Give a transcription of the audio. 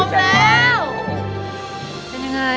ยังไง